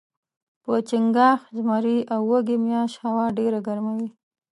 په چنګاښ ، زمري او وږي میاشت هوا ډیره ګرمه وي